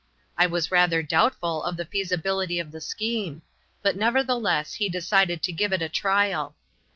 I was rather doubtful, of the feasibility of the scheme, but nevertheless he decided to give it a trial.